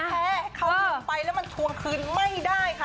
เขายืมไปแล้วมันทวงคืนไม่ได้ค่ะ